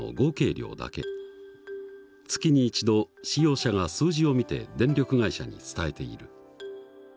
月に１度使用者が数字を見て電力会社に伝えている。